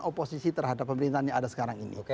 oposisi terhadap pemerintahan yang ada sekarang ini